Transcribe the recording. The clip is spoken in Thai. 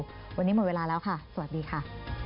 วันนี้หมดเวลาแล้วค่ะสวัสดีค่ะ